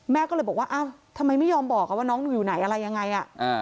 แม่ก็เลยบอกว่าอ้าวทำไมไม่ยอมบอกว่าน้องหนูอยู่ไหนอะไรยังไง